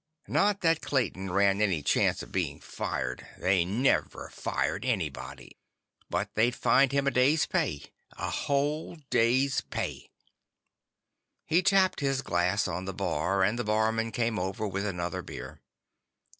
Not that Clayton ran any chance of being fired; they never fired anybody. But they'd fined him a day's pay. A whole day's pay. He tapped his glass on the bar, and the barman came over with another beer.